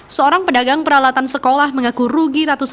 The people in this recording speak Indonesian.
seorang pedagang peralatan sekolah mengaku rugi ratusan